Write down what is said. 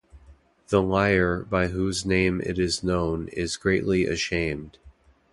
The liar by whose name it is known is greatly ashamed.